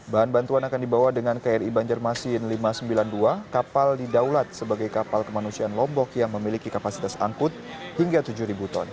bahan bantuan akan dibawa dengan kri banjarmasin lima ratus sembilan puluh dua kapal didaulat sebagai kapal kemanusiaan lombok yang memiliki kapasitas angkut hingga tujuh ton